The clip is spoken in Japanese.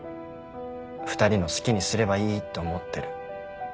２人の好きにすればいいって思ってる。